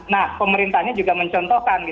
nah pemerintahnya juga mencontohkan